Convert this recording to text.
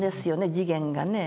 次元がね。